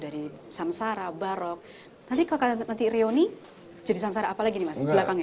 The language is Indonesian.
dari samsara barok nanti kalau nanti reuni jadi samsara apa lagi nih mas belakangnya